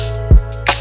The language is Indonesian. terima kasih ya allah